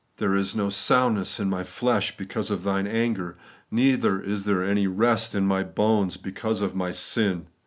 There is no soundness in my flesh because of Thine anger, neither is there any rest in my bones because of my sin.